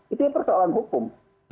itu persoalan hukum